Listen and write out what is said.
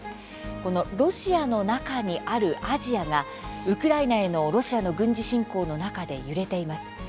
この「ロシアの中にあるアジア」がウクライナへのロシアの軍事侵攻の中で揺れています。